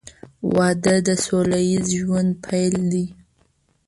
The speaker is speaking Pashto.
• واده د سوله ییز ژوند پیل دی.